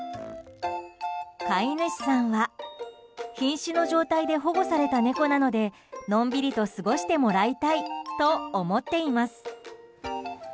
飼い主さんは瀕死の状態で保護された猫なのでのんびりと過ごしてもらいたいと思ってます。